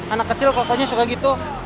anak kecil pokoknya suka gitu